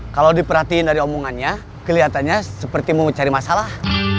kalau diperhatiin dari omongannya kelihatannya seperti mau cari masalah